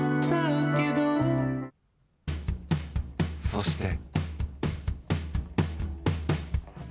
そして。